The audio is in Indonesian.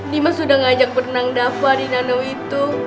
dimas udah ngajak berenang dapah di nanaw itu